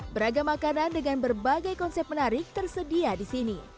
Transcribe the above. beragam makanan dengan berbagai konsep menarik tersedia di sini